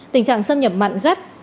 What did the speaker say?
tình trạng xâm nhập mặn gắt